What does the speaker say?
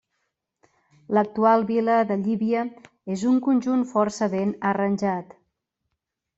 L'actual Vila de Llívia és un conjunt força ben arranjat.